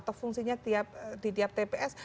atau fungsinya di tiap tps